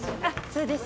そうです。